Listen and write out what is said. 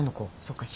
そっか。